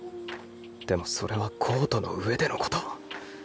でもそれはコートの上でのこと！